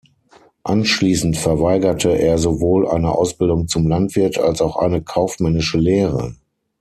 Anschließend verweigerte er sowohl eine Ausbildung zum Landwirt als auch eine kaufmännische Lehre.